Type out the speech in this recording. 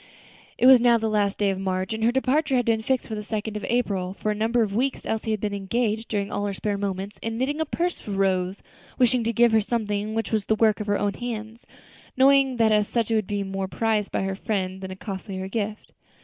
It was now the last day of March, and her departure had been fixed for the second of April. For a number of weeks Elsie had been engaged, during all her spare moments, in knitting a purse for Rose, wishing to give her something which was the work of her own hands, knowing that as such it would be more prized by her friend than a costlier gift.